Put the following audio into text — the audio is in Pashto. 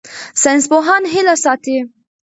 ساینسپوهان هیله ساتي.